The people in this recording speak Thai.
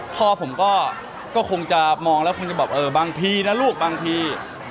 พ่อผมก็คงจะมองแล้วคงจะแบบเออบางทีนะลูกบางที